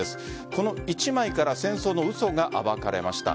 この１枚から戦争の嘘が暴かれました。